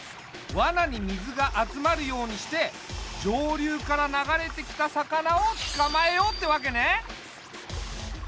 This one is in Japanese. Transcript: わなに水が集まるようにして上流から流れてきた魚をつかまえようってわけね。